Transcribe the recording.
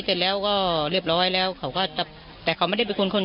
เสร็จแล้วก็เรียบร้อยแล้วเขาก็จะแต่เขาไม่ได้เป็นคน